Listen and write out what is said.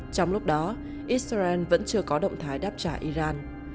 trong lúc đó israel vẫn chưa có động thái đáp trả iran